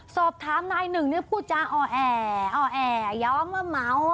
สอบถามนายหนึ่งเนี่ยพูดจาอ่อแอย้อมว่าเมา